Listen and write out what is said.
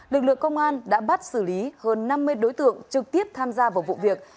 lực lượng công an đã bắt xử lý hơn năm mươi đối tượng trực tiếp tham gia vào vụ việc